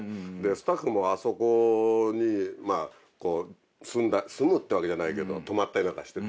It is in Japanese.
スタッフもあそこに住むってわけじゃないけど泊まったりなんかしてて。